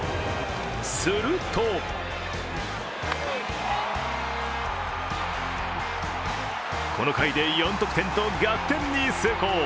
するとこの回で４得点と逆転に成功。